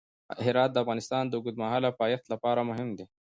هرات د افغانستان د اوږدمهاله پایښت لپاره مهم دی.